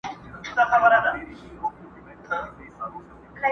درې ملګري وه یو علم بل عزت وو!.